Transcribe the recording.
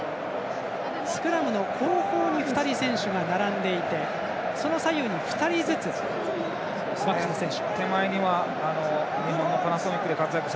スクラムの後方に選手が２人、並んでいてその左右に２人ずつバックスの選手。